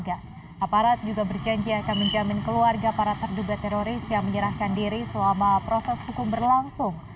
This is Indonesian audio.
aparat juga berjanji akan menjamin keluarga para terduga teroris yang menyerahkan diri selama proses hukum berlangsung